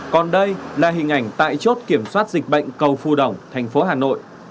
còn đây là hình ảnh tại chốt kiểm soát dịch bệnh cầu phù đồng thành phố hà nội